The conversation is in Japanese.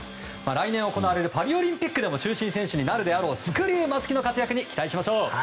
来年行われるパリオリンピックでも中心選手になるであろうスクリュー松木の活躍に期待しましょう！